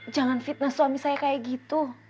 jangan fitnah suami saya kayak gitu